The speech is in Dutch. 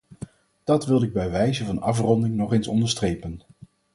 Dat wilde ik bij wijze van afronding nog eens onderstrepen.